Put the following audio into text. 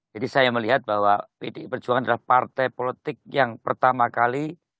jadi saya melihat bahwa pdi perjuangan adalah partai politik yang pertama kali